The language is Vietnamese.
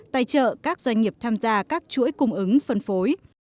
tài trợ các doanh nghiệp tham gia các chuỗi cung ứng phân phối